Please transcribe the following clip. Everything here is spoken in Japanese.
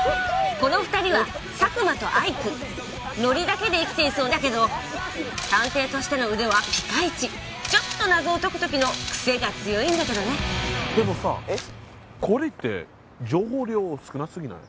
この２人はサクマとアイクノリだけで生きていそうだけど探偵としての腕はピカイチちょっと謎を解く時のクセが強いんだけどねでもさこれって情報量少なすぎない？